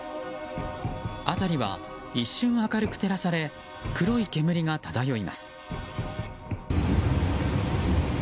辺りは一瞬明るく照らされ黒い煙が漂います。